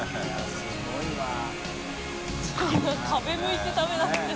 そんな壁向いて食べなくても。